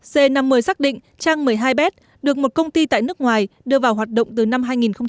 c năm mươi xác định trang một mươi hai bet được một công ty tại nước ngoài đưa vào hoạt động từ năm hai nghìn một mươi